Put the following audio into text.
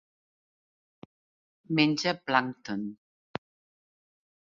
Menja plàncton.